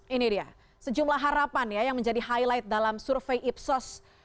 ini dia sejumlah harapan ya yang menjadi highlight dalam survei ipsos